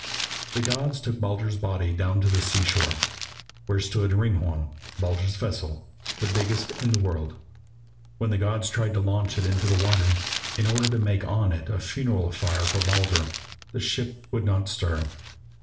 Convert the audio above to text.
The gods took Baldur's body down to the sea shore, where stood Hringhorn, Baldur's vessel, the biggest in the world. When the gods tried to launch it into the water, in order to make on it a funeral fire for Baldur, the ship would not stir.